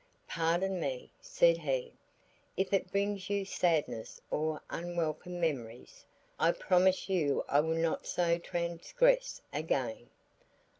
"Pardon me," said he, "if it brings you sadness or unwelcome memories. I promise you I will not so transgress again."